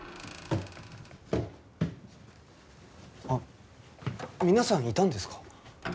あっ皆さんいたんですか？